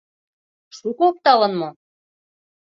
Шуко опталын мо?